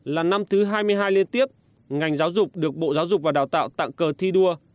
là năm thứ hai mươi hai liên tiếp ngành giáo dục được bộ giáo dục và đào tạo tặng cờ thi đua